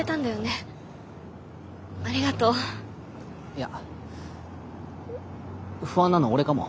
いや不安なの俺かも。